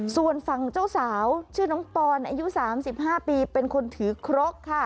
ส่วนฝั่งเจ้าสาวชื่อน้องปอนอายุ๓๕ปีเป็นคนถือครกค่ะ